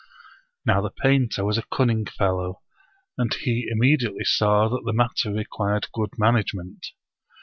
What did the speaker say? Now the painter was a cunning fellow, and he immedi ately saw that the matter required good management.